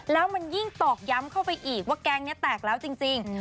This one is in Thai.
แล้วมันยิ่งตอกย้ำเข้าไปอีกว่าแก๊งนี้แตกแล้วจริง